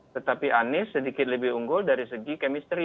tetapi anies sedikit lebih unggul dari segi kemisteri